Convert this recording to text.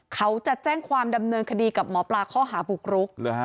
เขาจะแจ้งความดำเนินคดีกับหมอปลาข้อหาบุกรุก